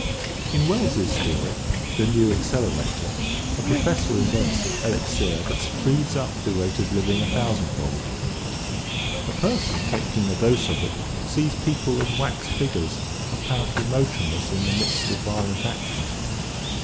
In Wells's story, " The New Accelerator," a profes sor invents an elixir that speeds up the rate of living a thousandfold. A person taking a dose of it sees people as wax figures apparently motionless in the midst of violent action.